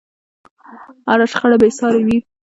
هره شخړه بې سارې وي.